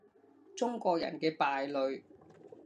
中國人嘅敗類